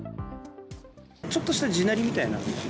ちょっとした地鳴りみたいな。